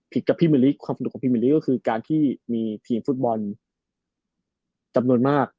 กับพี่มะลิความสนุกของพี่มะลิก็คือการที่มีทีมฟุตบอลจำนวนมาก